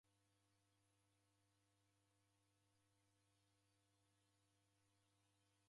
Dadeka kimanga cha marughu na soko.